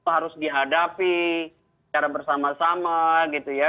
harus dihadapi secara bersama sama gitu ya